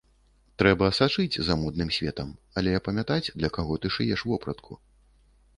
Трэба сачыць за модным светам, але памятаць для каго ты шыеш вопратку.